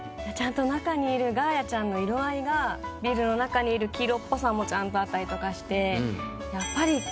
ちゃんと中にいるガーヤちゃんの色合いがビールの中にいる黄色っぽさもちゃんとあったりとかして。